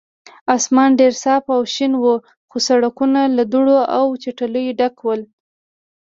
اسمان ډېر صاف او شین و، خو سړکونه له دوړو او چټلیو ډک ول.